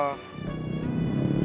sekarang minta dijemput di kantor travel